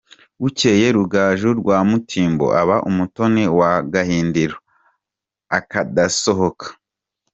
Bukeye Rugaju rwa Mutimbo aba umutoni wa Gahindiro akadasohoka.